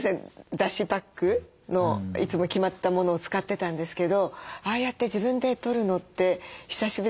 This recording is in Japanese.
だしパックのいつも決まったものを使ってたんですけどああやって自分でとるのって久しぶりにやってみようかなって。